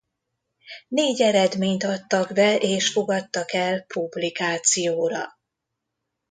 Négy eredményt adtak be és fogadtak el publikációra.